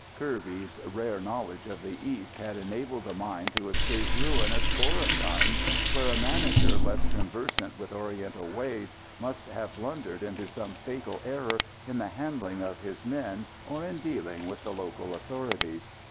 Kirby's rare knowledge of the East had enabled the mine to escape ruin a score of times where a manager less conversant with Oriental ways must have blundered into some fatal error in the handling of his men or in dealing with the local authorities.